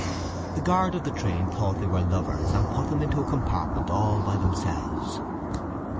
The guard of the train thought they were lovers, and put them into a compartment all by themselves.